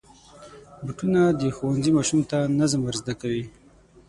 بوټونه د ښوونځي ماشوم ته نظم ور زده کوي.